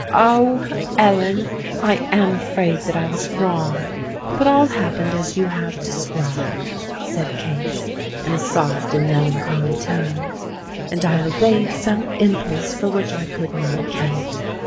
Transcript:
"Ah! Ellen, I am afraid that I was wrong—but all happened as you have described," said Kate, in a soft and melancholy tone; "and I obeyed some impulse for which I could not account.